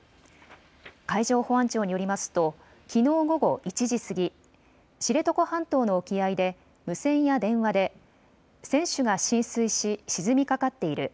海上保安庁によりますときのう午後１時過ぎ、知床半島の沖合で無線や電話で船首が浸水し沈みかかっている。